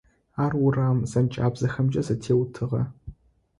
Ар урам зэнкӏабзэхэмкӏэ зэтеутыгъэ.